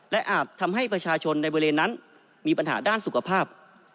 และอาจทำให้ประชาชนในบริเวณนั้นมีปัญหาด้านสุขภาพ